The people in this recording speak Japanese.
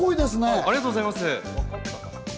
ありがとうございます。